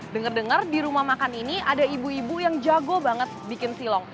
dengar dengar di rumah makan ini ada ibu ibu yang jago banget bikin silong